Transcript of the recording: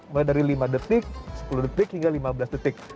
mulai dari lima detik sepuluh detik hingga lima belas detik